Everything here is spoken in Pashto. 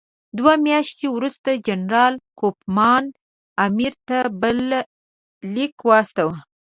دوه میاشتې وروسته جنرال کوفمان امیر ته بل لیک واستاوه.